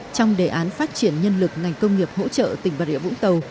trong đề án phát triển nhân lực ngành công nghiệp hỗ trợ tỉnh bà rịa vũng tàu